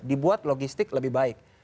dibuat logistik lebih baik